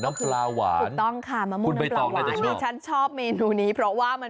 มะม่วงน้ำปลาหวาน